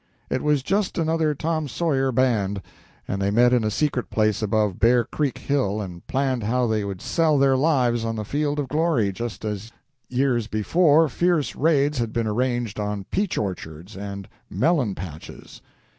It was just another Tom Sawyer band, and they met in a secret place above Bear Creek Hill and planned how they would sell their lives on the field of glory, just as years before fierce raids had been arranged on peach orchards and melon patches.